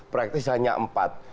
praktis hanya empat